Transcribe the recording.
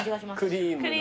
クリームの？